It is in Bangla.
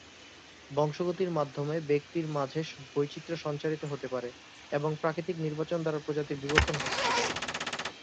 বংশগতির মাধ্যমে, ব্যক্তির মাঝে বৈচিত্র্য সঞ্চারিত হতে পারে এবং প্রাকৃতিক নির্বাচন দ্বারা প্রজাতির বিবর্তন ঘটতে পারে।